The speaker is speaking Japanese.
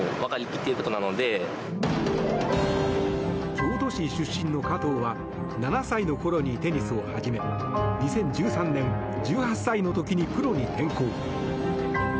京都市出身の加藤は７歳の頃にテニスを始め２０１３年、１８歳の時にプロに転向。